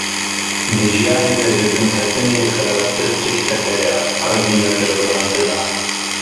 Di jiyanê de ji binketinê xerabtir tiştek heye; ew jî neceribandin e.